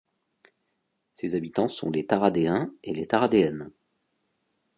Ses habitants sont les Taradéens et les Taradéennes.